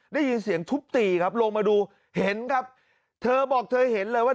ได้ยินเสียงทุบตีครับลงมาดูเห็นครับเธอบอกเธอเห็นเลยว่า